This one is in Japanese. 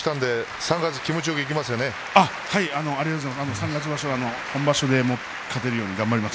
３月場所は本場所で勝てるように頑張ります。